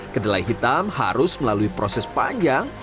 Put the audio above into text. kedelai hitam harus melalui proses panjang